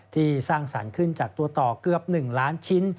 สร้างสรรค์ขึ้นจากตัวต่อเกือบ๑ล้านชิ้น